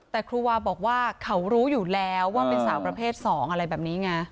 แต่ครูวาบอกว่าเขารู้อยู่แล้วว่าเป็นสาวประเภท๒อะไรแบบนี้ไง